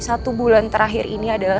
satu bulan terakhir ini adalah